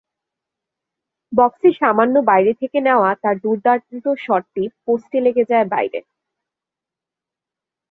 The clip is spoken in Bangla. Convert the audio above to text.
বক্সের সামান্য বাইরে থেকে নেওয়া তাঁর দুর্দান্ত শটটি পোস্টে লেগে যায় বাইরে।